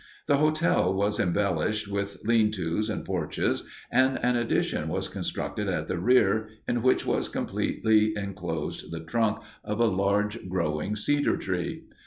The hotel was embellished with lean tos and porches, and an addition was constructed at the rear in which was completely enclosed the trunk of a large growing cedar tree.